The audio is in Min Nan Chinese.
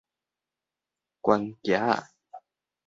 懸屐仔